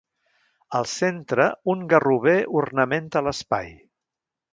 Al centre un garrover ornamenta l’espai.